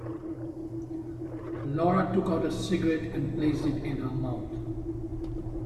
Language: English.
Laura took out a cigarette and placed it in her mouth.